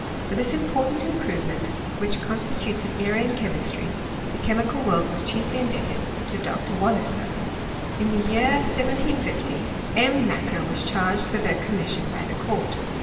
For this important improvement, which constitutes an era in chemistry, the chemical world was chiefly indebted to Dr. Wollaston. In the year 1750 M. Macquer was charged with a commission by the court.